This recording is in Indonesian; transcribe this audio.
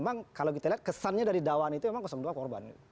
memang kalau kita lihat kesannya dari dawan itu memang dua korban